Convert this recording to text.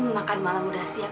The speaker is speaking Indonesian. makan malam udah siap